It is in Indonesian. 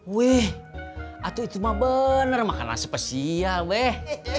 weh atuk itu mah bener makanan spesial weh